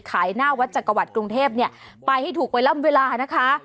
ขายหน้าวัดจักรวัดกรุงเทพเนี่ยไปให้ถูกไวล่ำเวลานะคะ